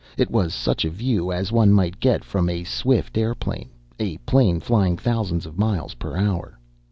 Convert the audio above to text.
It was such a view as one might get from a swift airplane a plane flying thousands of miles per hour.